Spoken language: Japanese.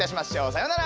さよなら！